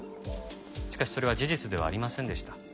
しかしそれは事実ではありませんでした。